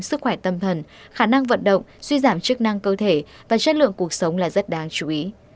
sức khỏe tâm thần khả năng vận động suy giảm chức năng cơ thể và chất lượng cuộc sống là rất đáng chú ý